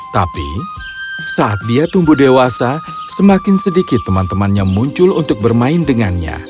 tapi saat dia tumbuh dewasa semakin sedikit teman temannya muncul untuk bermain dengannya